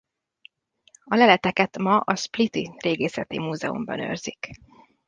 A leleteket ma a spliti régészeti múzeumban őrzik.